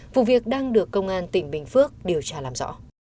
vụ việc đang được công an tỉnh bình phước điều tra làm rõ